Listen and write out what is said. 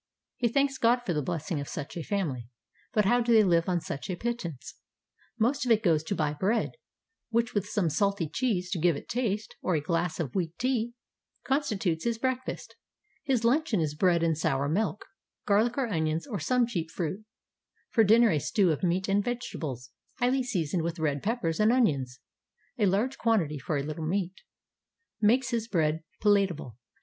He thanks God for the blessing of such a family; but how do they live on such a pittance? Most of it goes to buy bread, which, with some salty cheese to give it taste, or a glass of weak tea, constitutes 440 NEW YEAR'S CALLS AND GIFTS his breakfast; his luncheon is bread and sour milk, garlic or onions or some cheap fruit; for dinner a stew of meat and vegetables, highly seasoned with red peppers and onions — a large quantity for a little meat — makes his bread palatable.